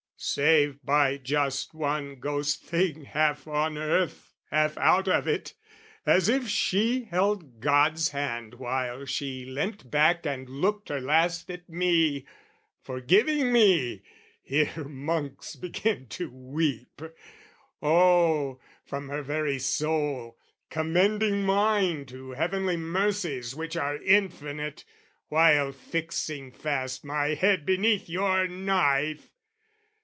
Save by just one ghost thing half on earth, Half out of it, as if she held God's hand While she leant back and looked her last at me, Forgiving me (here monks begin to weep) Oh, from her very soul, commending mine To heavenly mercies which are infinite, While fixing fast my head beneath your knife!